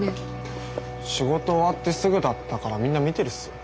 仕事終わってすぐだったからみんな見てるっすよ。